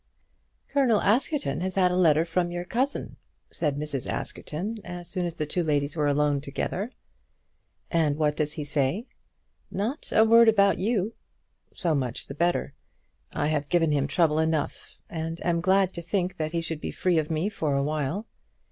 "Colonel Askerton has had a letter from your cousin," said Mrs. Askerton as soon as the two ladies were alone together. "And what does he say?" "Not a word about you." "So much the better. I have given him trouble enough, and am glad to think that he should be free of me for awhile.